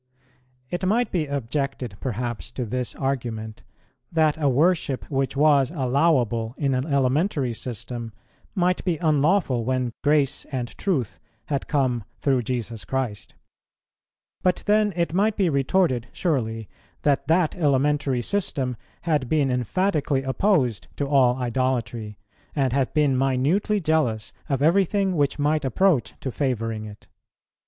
"[139:2] It might be objected perhaps to this argument, that a worship which was allowable in an elementary system might be unlawful when "grace and truth" had come "through Jesus Christ;" but then it might be retorted surely, that that elementary system had been emphatically opposed to all idolatry, and had been minutely jealous of everything which might approach to favouring it.